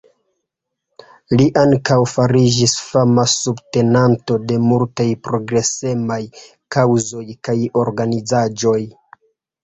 Li ankaŭ fariĝis fama subtenanto de multaj progresemaj kaŭzoj kaj organizaĵoj.